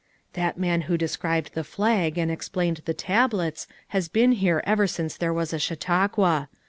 "That man who described the flag and ex plained the tablets has been here ever since there was a Chautauqua.